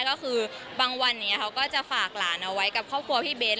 ก็คือบางวันนี้เขาก็จะฝากหลานเอาไว้กับครอบครัวพี่เบ้น